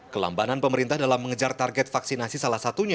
kelambanan pemerintah dalam mengejar target vaksinasi salah satunya